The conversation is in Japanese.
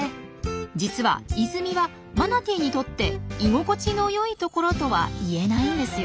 実は泉はマナティーにとって居心地の良い所とは言えないんですよ。